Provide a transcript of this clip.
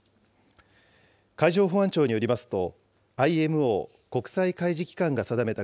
海上保安庁によりますと、ＩＭＯ・国際海事機関が定めた